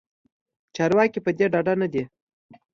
چارواکې پدې ډاډه ندي